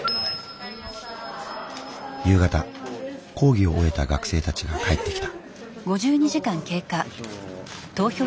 夕方講義を終えた学生たちが帰ってきた。